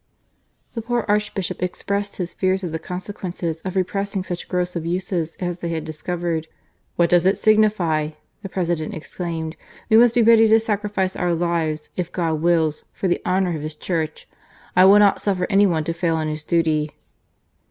The poor Archbishop expressed his fears at the consequences of repressing such gross abuses as they had discovered. " What does it signify ?" the President exclaimed. " We must be readv to sacrifice our lives, if God wills, for the THE REGENERATION OF THE CLERGY, 123 honour of His Church. I will not suffer any one to fail in his duty."